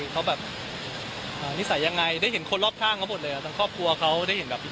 ตอนนี้พี่ตามมาไปกันกี่นาที